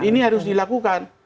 ini harus dilakukan